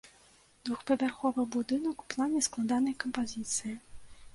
Двухпавярховы будынак, у плане складанай кампазіцыі.